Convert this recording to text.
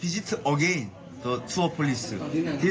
แล้วฉันไปเจอกันกับธุรกิจอีกครั้ง